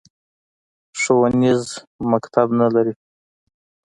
ښوونیز مکتب نه لري